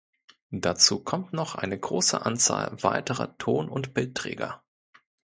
Dazu kommt noch eine große Anzahl weiterer Ton- und Bildträger.